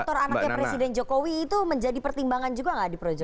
faktor anaknya presiden jokowi itu menjadi pertimbangan juga nggak di projo